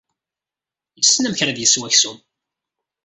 Yessen amek ara d-yesseww aksum.